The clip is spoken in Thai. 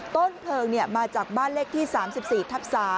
ต้นเพลิงมาจากบ้านเลขที่๓๔ทับ๓